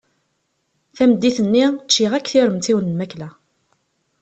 Tameddit-nni ččiɣ akk tiremt-iw n lmakla.